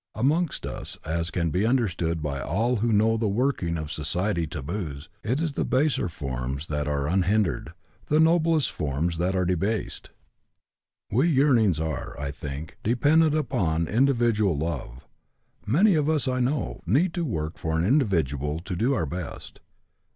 Amongst us, as can be understood by all who know the working of society taboos, it is the baser forms that are unhindered, the noblest forms that are debased. "We urnings are, I think, dependent upon individual love. Many of us, I know, need to work for an individual to do our best.